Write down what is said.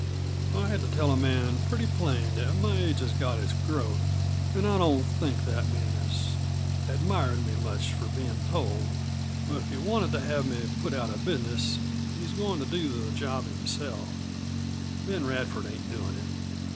I've had to tell a man pretty plain that my age has got its growth an' I don't think that man is admirin' me much for bein' told. But if he's wantin' to have me put out of business he's goin' to do the job himself Ben Radford ain't doin' it."